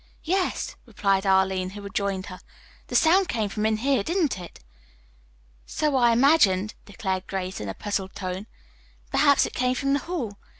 "Yes," replied Arline, who had joined her. "The sound came from in here, didn't it?" "So I imagined," declared Grace in a puzzled tone. "Perhaps it came from the hall.